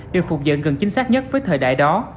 được phục dựng gần chính xác nhất với thời đại đó